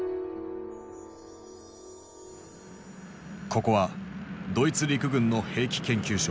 ここはドイツ陸軍の兵器研究所。